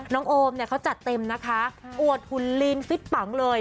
โอมเนี่ยเขาจัดเต็มนะคะอวดหุ่นลีนฟิตปังเลย